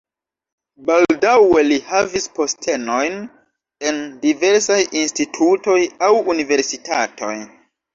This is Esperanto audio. Baldaŭe li havis postenojn en diversaj institutoj aŭ universitatoj.